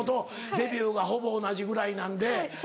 デビューがほぼ同じぐらいなんで。